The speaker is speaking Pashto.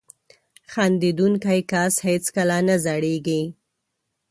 • خندېدونکی کس هیڅکله نه زړېږي.